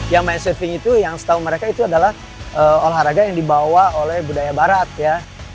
yang main surfing itu yang setahu mereka itu adalah olahraga yang dibawa oleh budaya barat ya